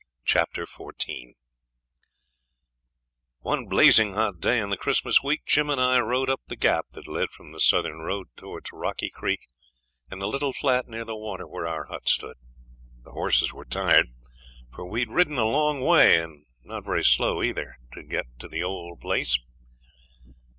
Chapter 14 One blazing hot day in the Christmas week Jim and I rode up the 'gap' that led from the Southern road towards Rocky Creek and the little flat near the water where our hut stood. The horses were tired, for we'd ridden a long way, and not very slow either, to get to the old place.